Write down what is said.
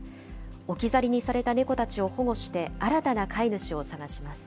置き去りにされた猫たちを保護して新たな飼い主を探します。